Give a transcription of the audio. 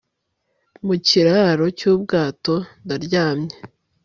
Mu kiraro cyubwato Ndaryamye